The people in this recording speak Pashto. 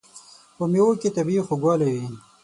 په مېوو کې طبیعي خوږوالی وي.